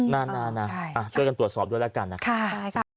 น่าช่วยกันตรวจสอบด้วยแล้วกันนะครับ